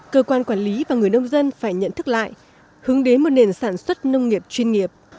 cơ quan quản lý và người nông dân phải nhận thức lại hướng đến một nền sản xuất nông nghiệp chuyên nghiệp